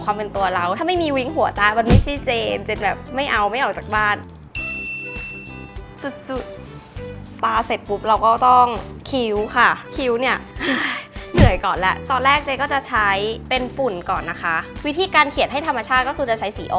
คิ้วเนี่ยเหนื่อยก่อนแหละตอนแรกเจนก็จะใช้